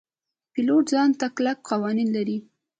پیلوټ ځان ته کلک قوانین لري.